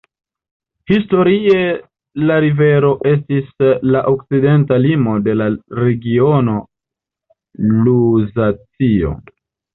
Historie la rivero estis la okcidenta limo de la regiono Luzacio.